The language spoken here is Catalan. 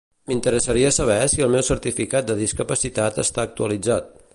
M'interessaria saber si el meu certificat de discapacitat està actualitzat.